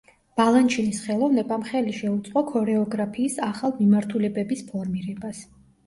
ბალანჩინის ხელოვნებამ ხელი შეუწყო ქორეოგრაფიის ახალ მიმართულებების ფორმირებას.